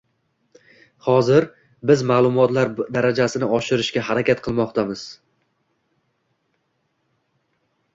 Hozir biz maʼlumotlar darajasini oshirishga harakat qilmoqdamiz